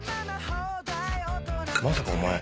まさかお前